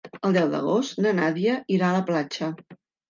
El deu d'agost na Nàdia irà a la platja.